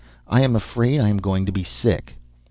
I am afraid I am going to be sick."